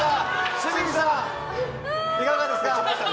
鷲見さん、いかがですか。